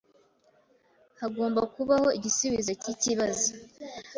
Hagomba kubaho igisubizo cyikibazo.